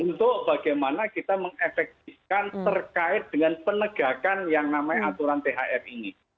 untuk bagaimana kita mengefektifkan terkait dengan penegakan yang namanya aturan thr ini